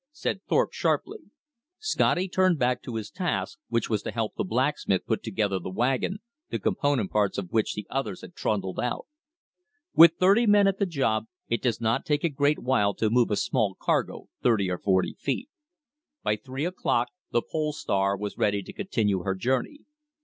said Thorpe sharply. Scotty turned back to his task, which was to help the blacksmith put together the wagon, the component parts of which the others had trundled out. With thirty men at the job it does not take a great while to move a small cargo thirty or forty feet. By three o'clock the Pole Star was ready to continue her journey.